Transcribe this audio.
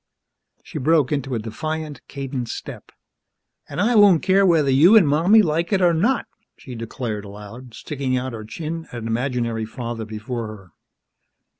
She broke into a defiant, cadenced step. "An' I won't care whether you an' Mommy like it or not!" she declared aloud, sticking out her chin at an imaginary father before her.